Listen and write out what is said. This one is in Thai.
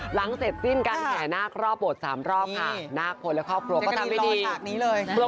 หลังเสร็จสิ้นกันแขนาครอบโบสถ์สามรอบค่ะนาคพลและครอบครัวก็ทำไม่ดีจะกระดินรอฉากนี้เลย